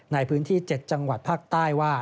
ในพื้นที่๗จังหวัดภาคใต้ว่า